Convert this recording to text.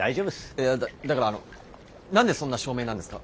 いやだからあの何でそんな照明なんですか？